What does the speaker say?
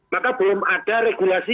maka belum ada regulasi